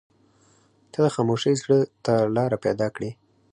• ته د خاموشۍ زړه ته لاره پیدا کړې.